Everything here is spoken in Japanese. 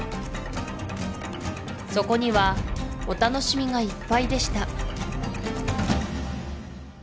そこにはお楽しみがいっぱいでした